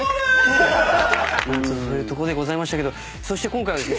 そして今回は。